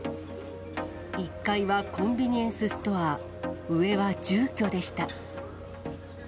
１階はコンビニエンスストア、上は住居でした。